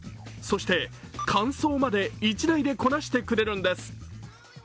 そして乾燥まで１台でこなしてくれるんです。